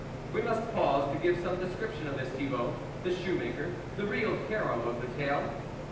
We must pause to give some descrip tion of this Thibault, the shoe maker, the real hero of the tale.